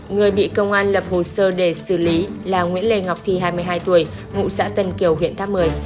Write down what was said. người bị công an lập hồ sơ để xử lý là nguyễn lê ngọc thị hai mươi hai tuổi ngụ xã tân kiều huyện tháp mười